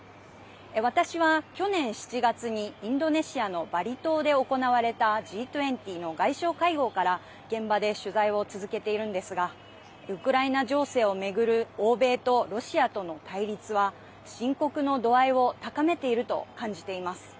私は去年７月にインドネシアのバリ島で行われたＧ２０の外相会合から現場で取材を続けているんですがウクライナ情勢を巡る欧米とロシアとの対立は深刻の度合いを高めていると感じています。